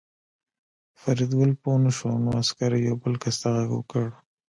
فریدګل پوه نه شو نو عسکر یو بل کس ته غږ وکړ